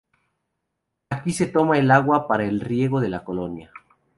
Aquí se toma el agua para el riego de la colonia.